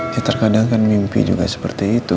ya terkadang kan mimpi juga seperti itu